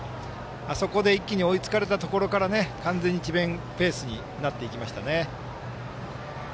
あそこで一気に追いつかれたところから完全に智弁ペースになっていきましたね。